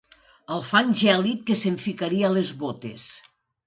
El fang gèlid que se'm ficaria a les botes.